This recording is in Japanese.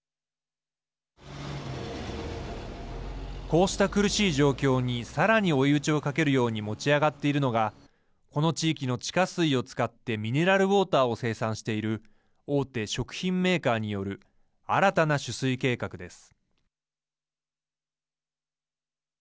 こうした苦しい状況にさらに追い打ちをかけるように持ち上がっているのがこの地域の地下水を使ってミネラルウォーターを生産している大手食品メーカーによる新たな取水計画です。